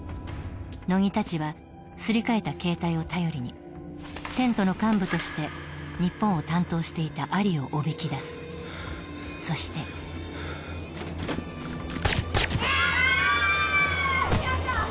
乃木たちは、すり替えた携帯を頼りにテントの幹部として日本を担当していたアリをおびき出すそしてあーっ！